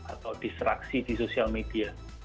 atau distraksi di sosial media